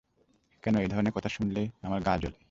হেই, এই ধরণের কথা শুনলে আমার গা জ্বলে।